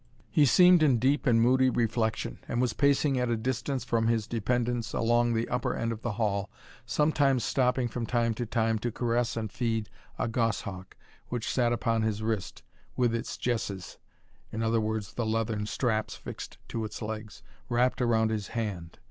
He seemed in deep and moody reflection, and was pacing at a distance from his dependents along the upper end of the hall, sometimes stopping from time to time to caress and feed a gos hawk, which sat upon his wrist, with its jesses (i. e. the leathern straps fixed to its legs) wrapt around his hand.